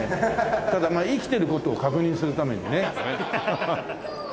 ただ生きてる事を確認するためにね。